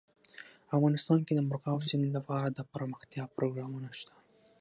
افغانستان کې د مورغاب سیند لپاره دپرمختیا پروګرامونه شته.